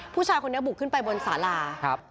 ผู้ชายคนนี้บุกขึ้นไปบนสารา